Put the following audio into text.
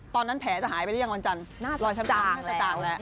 ตอนนั้นแผลจะหายไปหรือยังวันจันทร์น่าจะจางแล้ว